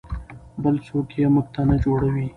بل څوک یې موږ ته نه جوړوي.